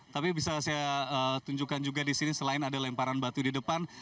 tapi bisa saya tunjukkan juga di sini selain ada lemparan batu di depan